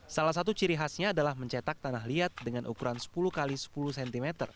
salah satu ciri khasnya adalah mencetak tanah liat dengan ukuran sepuluh x sepuluh cm